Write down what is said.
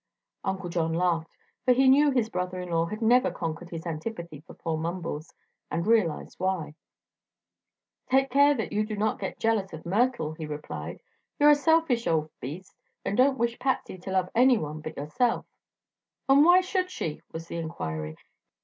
Uncle John laughed, for he knew his brother in law had never conquered his antipathy for poor Mumbles, and realized why. "Take care that you do not get jealous of Myrtle," he replied. "You're a selfish old beast, and don't wish Patsy to love anyone but yourself." "And why should she?" was the inquiry.